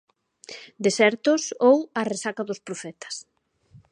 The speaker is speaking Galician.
"Desertos" ou "A resaca dos profetas".